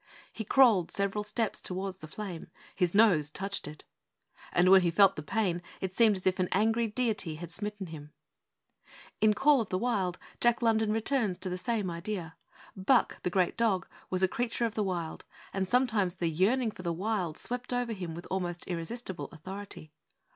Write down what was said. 'He crawled several steps towards the flame. His nose touched it.' And when he felt the pain it seemed as if an angry deity had smitten him. In The Call of the Wild, Jack London returns to the same idea. Buck, the great dog, was a creature of the wild, and sometimes the yearning for the wild swept over him with almost irresistible authority.